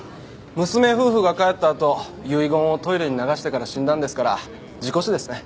娘夫婦が帰ったあと遺言をトイレに流してから死んだんですから事故死ですね。